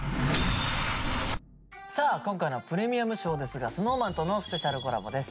さあ今回の「ＰＲＥＭＩＵＭＳＨＯＷ」ですがＳｎｏｗＭａｎとのスペシャルコラボです。